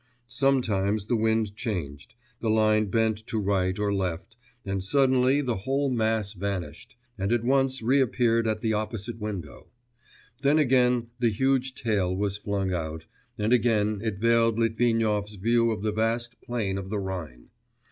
Sometimes the wind changed, the line bent to right or left, and suddenly the whole mass vanished, and at once reappeared at the opposite window; then again the huge tail was flung out, and again it veiled Litvinov's view of the vast plain of the Rhine.